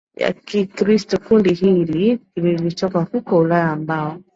ya Kikristo Kundi hili lilitoka huko Ulaya ambao